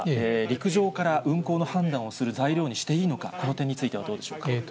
陸上から運航の判断をする材料にしていいのか、この点についてはどうでしょうか。